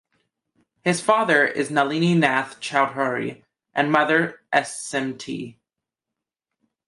His father was Nalini Nath Chowdhury and mother Smt.